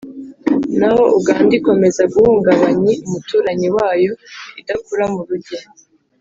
naho uganda ikomeza guhungabanyi umuturanyi wayo idakura mu ruge